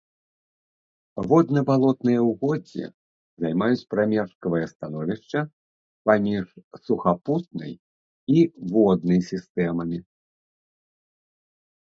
Водна-балотныя ўгоддзі займаюць прамежкавае становішча паміж сухапутнай і воднай сістэмамі.